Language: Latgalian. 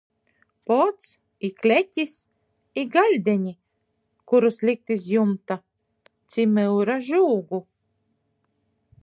Pods, i klekis, i gaļdeni, kurus likt iz jumta ci myura žūgu!